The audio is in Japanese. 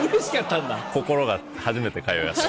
心が初めて通い合って。